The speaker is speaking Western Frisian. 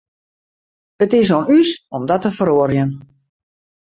It is oan ús om dat te feroarjen.